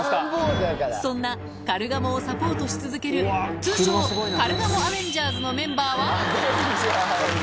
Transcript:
そんなカルガモをサポートし続ける通称、カルガモアベンジャーズのメンバーは。